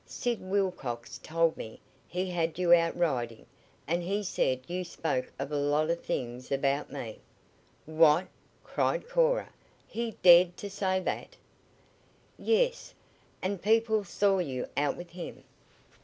Sid Wilcox told me he had you out riding, and he said you spoke of a lot of things about me " "What!" cried Cora. "He dared to say that?" "Yes; and people saw you out with him."